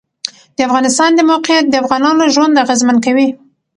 د افغانستان د موقعیت د افغانانو ژوند اغېزمن کوي.